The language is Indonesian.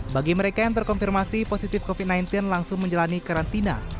bagi mereka yang terkonfirmasi positif covid sembilan belas langsung menjalani karantina